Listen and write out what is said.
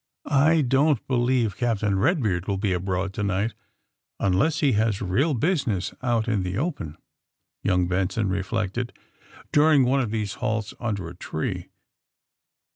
*'I don't believe Captain Redbeard will be abroad to night, unless he has real business out in the open,'^ young Benson reflected, during one of these halts under a tree.